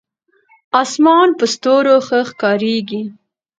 اسمان په ستورو ښه ښکارېږي.